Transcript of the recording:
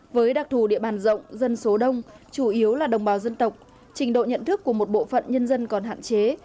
với đặc thù địa bàn rộng dân số đông chủ yếu là đồng bào dân tộc trình độ nhận thức của một bộ phận nhân dân còn hạn chế